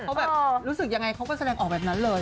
เขาแบบรู้สึกยังไงเขาก็แสดงออกแบบนั้นเลย